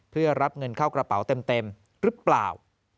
เพื่อรับเงินเข้ากระเป๋าเต็มหรือเปล่า